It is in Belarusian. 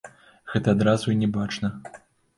Гэта адразу і не бачна.